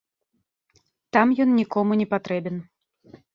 Там ён нікому не патрэбен.